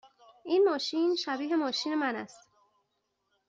این ماشین شبیه ماشین من است.